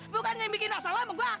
bukannya bikin masalah sama gue hah